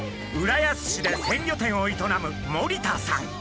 浦安市で鮮魚店を営む森田さん。